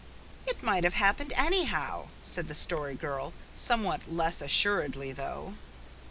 "It might have happened anyhow," said the Story Girl somewhat less assuredly, though.